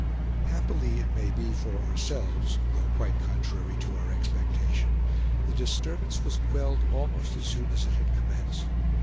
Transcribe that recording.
Happily it may be for ourselves, though quite contrary to our expectation, the disturbance was quelled almost as soon as it had commenced.